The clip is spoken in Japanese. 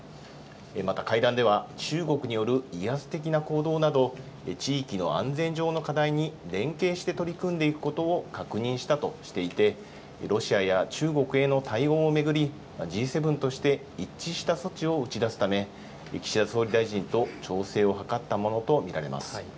また会談では、中国による威圧的な行動など、地域の安全上の課題に連携して取り組んでいくことを確認したとしていて、ロシアや中国への対応を巡り、Ｇ７として一致した措置を打ち出すため、岸田総理大臣と調整を図ったものと見られます。